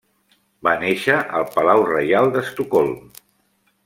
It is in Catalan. Va néixer al Palau Reial d'Estocolm.